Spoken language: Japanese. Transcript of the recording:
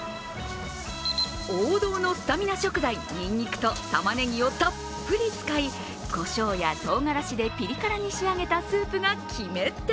王道のスタミナ食材、にんにくとたまねぎをたっぷり使いこしょうやとうがらしでピリ辛に仕上げたスープが決め手。